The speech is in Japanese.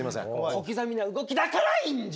小刻みな動きだからいいんじゃ。